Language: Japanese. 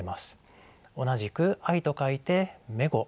同じく「愛」と書いて「めご」。